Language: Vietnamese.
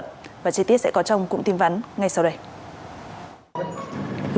nghiêm trước pháp luật và chi tiết sẽ có trong cụm tin vấn ngay sau đây